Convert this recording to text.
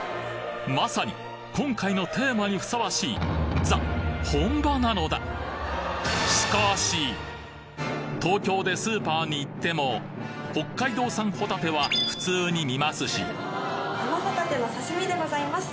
まさに今回のテーマにふさわしい東京でスーパーに行っても北海道産ホタテは普通に見ますし生ホタテの刺身でございます。